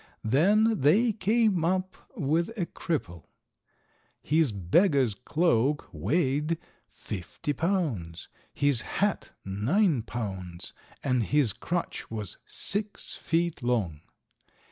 Then they came up with a cripple. His beggar's cloak weighed fifty pounds, his hat nine pounds, and his crutch was six feet long.